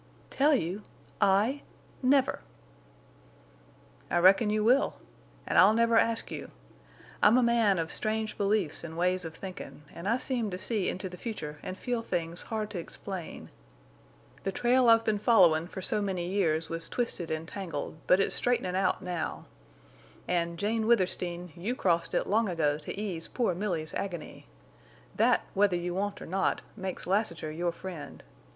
"Tell you! I? Never!" "I reckon you will. An' I'll never ask you. I'm a man of strange beliefs an' ways of thinkin', an' I seem to see into the future an' feel things hard to explain. The trail I've been followin' for so many years was twisted en' tangled, but it's straightenin' out now. An', Jane Withersteen, you crossed it long ago to ease poor Milly's agony. That, whether you want or not, makes Lassiter your friend.